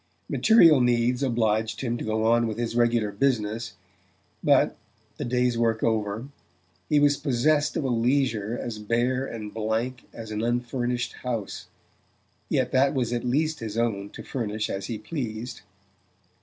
Material needs obliged him to go on with his regular business; but, the day's work over, he was possessed of a leisure as bare and as blank as an unfurnished house, yet that was at least his own to furnish as he pleased.